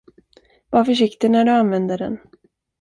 Var försiktig när du använder den.